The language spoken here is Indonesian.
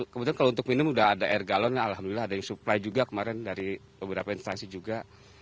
kemudian kalau untuk minum sudah ada air galon alhamdulillah ada yang supply juga kemarin dari beberapa instansi juga